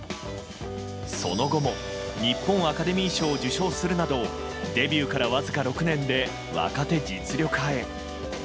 その後も、日本アカデミー賞を受賞するなどデビューから、わずか６年で若手実力派へ。